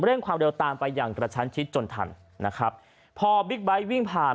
ความเร็วตามไปอย่างกระชั้นชิดจนทันนะครับพอบิ๊กไบท์วิ่งผ่าน